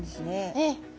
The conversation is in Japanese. えっ。